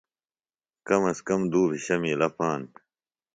کم از کم دُوبھِشہ مِیلہ پاند